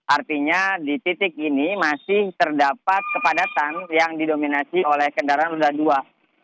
artinya di titik ini masih terdapat kepadatan yang didominasi oleh kendaraan roda dua